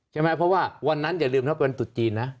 ใช่ไหมเพราะว่าวันนั้นอย่าลืมนะวันตุดจีนนะ